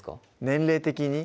年齢的に？